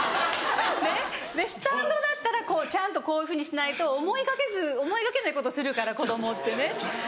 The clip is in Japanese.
スタンドだったらちゃんとこういうふうにしないと思いがけないことするから子供ってね。